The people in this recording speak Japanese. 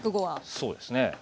そうですね。